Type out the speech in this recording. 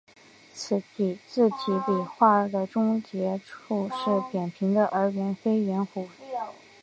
此字体笔画的终结处是扁平的而非圆弧。